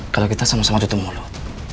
kalau kita sama sama tutup mulut